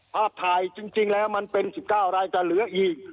ภาพถ่ายจริงแล้วมันเป็น๑๙รายแต่เหลืออีก